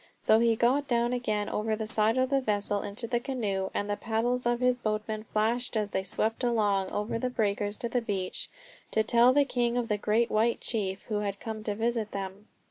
So he got down again over the side of the vessel into the canoe, and the paddles of his boatman flashed as they swept along over the breakers to the beach to tell the king of the great white chief who had come to visit them.